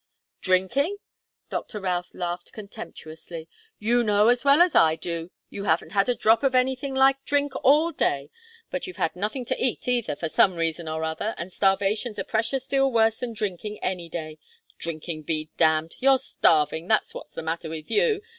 "Drinking?" Doctor Routh laughed contemptuously. "You know as well as I do that you haven't had a drop of anything like drink all day. But you've had nothing to eat, either, for some reason or other and starvation's a precious deal worse than drinking any day. Drinking be damned! You're starving that's what's the matter with you.